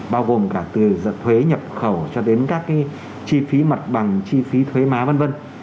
bao gồm cả từ thuế nhập khẩu cho đến các cái chi phí mặt bằng chi phí thuế má vân vân